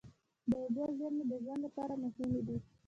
د اوبو زیرمې د ژوند لپاره مهمې دي.